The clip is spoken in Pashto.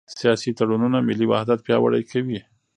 سیاسي تړونونه ملي وحدت پیاوړی کوي